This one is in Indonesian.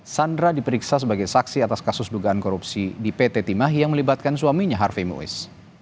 sandra diperiksa sebagai saksi atas kasus dugaan korupsi di pt timah yang melibatkan suaminya harvey mues